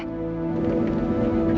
eh telepon siapa